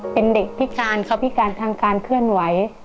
เป็นเด็กพิการเขาพิการทางการเคลื่อนไหว